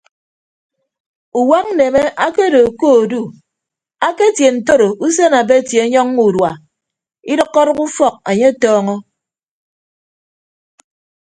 Uwak nneme akedo ke odu aketie ntoro usen abeti ọnyọññọ urua idʌkkọdʌk ufọk anye atọọñọ.